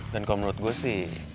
dan kalau menurut gue sih